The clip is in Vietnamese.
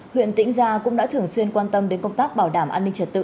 huyện tĩnh gia cũng đã thường xuyên quan tâm đến công tác bảo đảm an ninh trật tự